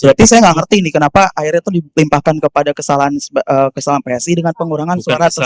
berarti saya nggak ngerti nih kenapa akhirnya itu dilimpahkan kepada kesalahan psi dengan pengurangan suara